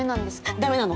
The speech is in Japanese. ダメなの。